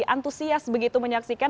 antusias begitu menyaksikan